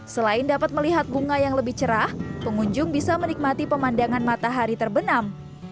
selain dapat melihat bunga yang lebih cerah pengunjung bisa menikmati pemandangan matahari terbenam